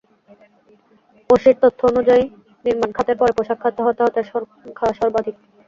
ওশির তথ্য অনুযায়ী, নির্মাণ খাতের পরে পোশাক খাতে হতাহতের সংখ্যা সর্বাধিক।